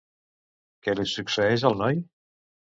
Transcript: Què li succeeix al noi?